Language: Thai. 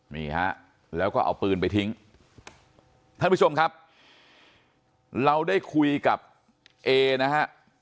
นี่ฮะแล้วก็เอาปืนไปทิ้งท่านผู้ชมครับเราได้คุยกับเอนะฮะ